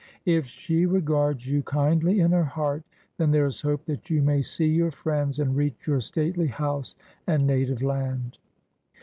If she regards you kindly in her heart, then there is hope that you may see your friends and reach your stately house and native land."